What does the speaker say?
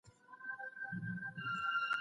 باطل تل د زور په وسیله راځي.